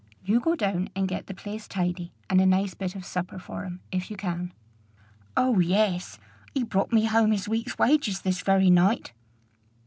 You go down and get the place tidy, and a nice bit of supper for him if you can." "Oh, yes! he brought me home his week's wages this very night."